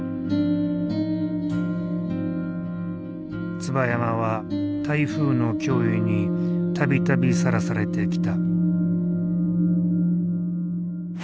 椿山は台風の脅威に度々さらされてきた。